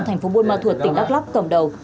thành phố buôn ma thuột tỉnh đắk lắc cầm đầu